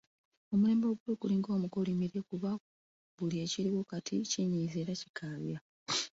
Omulembe oguliwo gulinga omukolimire kuba buli ekiriwo kati kinyiiza era kikaabya.